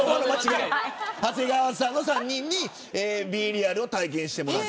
長谷川さんの３人にＢｅＲｅａｌを体験してもらった。